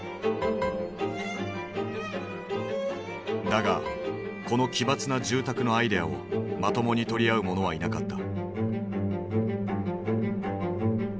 だがこの奇抜な住宅のアイデアをまともに取り合う者はいなかった。